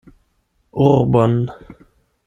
Urbon.